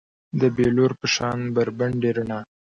د بیلور په شان بربنډې رڼا